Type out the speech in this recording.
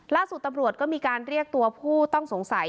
ล่าสุดตำรวจก็มีการเรียกตัวผู้ต้องสงสัย